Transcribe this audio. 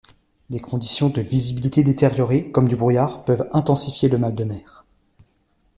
Des conditions de visibilité détériorées, comme du brouillard, peuvent intensifier le mal de mer.